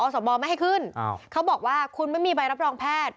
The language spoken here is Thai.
สมไม่ให้ขึ้นเขาบอกว่าคุณไม่มีใบรับรองแพทย์